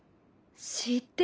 知ってる！